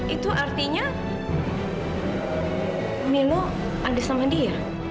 itu artinya pemilu ada sama dia